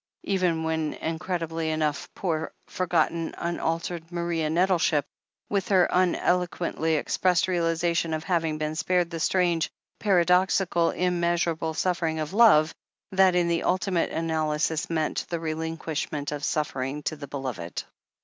Even, incredibly enough, poor, forgotten, luialtered Maria Nettleship, with her uneloquently expressed realization of having been spared the strange, paradoxical, im measurable suffering of love, that in the ultimate analysis meant the relinquishment of suffering to the beloved.